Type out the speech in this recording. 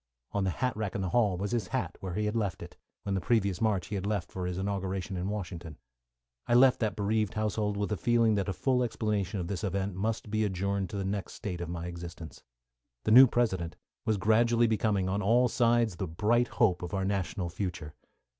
On the hat rack in the hall was his hat, where he had left it, when the previous March he left for his inauguration in Washington. I left that bereaved household with a feeling that a full explanation of this event must be adjourned to the next state of my existence. The new President was gradually becoming, on all sides, the bright hope of our national future.